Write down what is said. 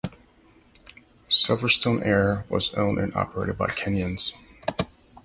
Silverstone Air was owned and operated by Kenyans.